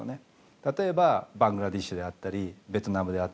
例えばバングラデシュであったりベトナムであったり